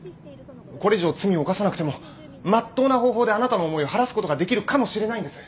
これ以上罪を犯さなくてもまっとうな方法であなたの思いを晴らすことができるかもしれないんです。